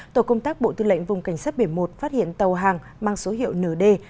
tổ công tác bộ tư lệnh vùng cảnh sát biển một phát hiện tàu hàng mang số hiệu nd ba nghìn năm trăm chín mươi tám